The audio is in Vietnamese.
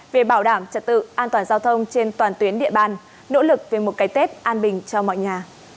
về bảo đảm trật tự an toàn giao thông trên toàn tuyến địa bàn nỗ lực về một cái tết an bình cho mọi nhà